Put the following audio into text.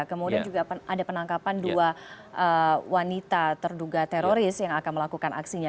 kemudian juga ada penangkapan dua wanita terduga teroris yang akan melakukan aksinya